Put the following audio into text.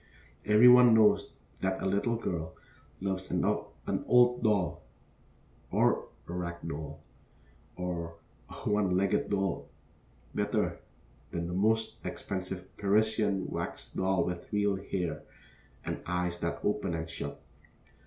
Every one knows that a little girl loves an old doll, or a rag doll, or a one legged doll, better than the most expensive Parisian wax doll with real hair, and eyes that open and shut.